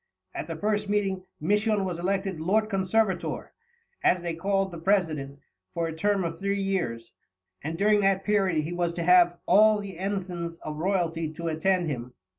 At the first meeting Misson was elected Lord Conservator, as they called the President, for a term of three years, and during that period he was to have "all the Ensigns of Royalty to attend him."